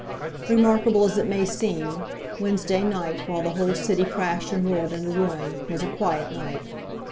Remarkable as it may seem, Wednesday night while the whole city crashed and roared into ruin, was a quiet night.